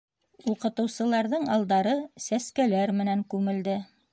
Уҡытыусыларҙың алдары сәскәләр менән күмелде.